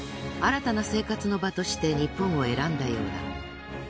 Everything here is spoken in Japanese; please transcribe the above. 新たな生活の場として日本を選んだようだ。